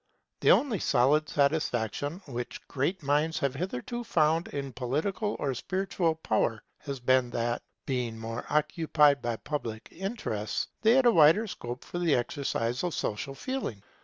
The only solid satisfaction which great minds have hitherto found in political or spiritual power has been that, being more occupied with public interests, they had a wider scope for the exercise of social feeling.